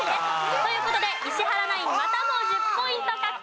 という事で石原ナインまたも１０ポイント獲得です。